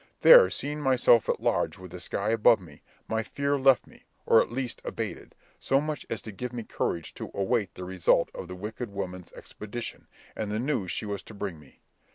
There seeing myself at large with the sky above me, my fear left me, or at least abated, so much as to give me courage to await the result of that wicked woman's expedition, and the news she was to bring me.